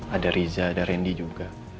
ada riza ada randy juga